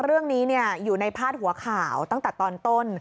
เรื่องนี้อยู่ในพาดหัวข่าวตั้งแต่ตอนต้น